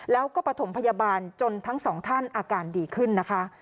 แล้วก็ปฐมพยาบาลจนทั้งสองท่านอาการดีขึ้นนะคะ